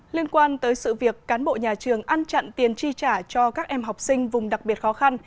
liên quan tới sự việc cán bộ nhà trường ăn chặn tiền chi trả cho các em học sinh vùng đặc biệt khó khăn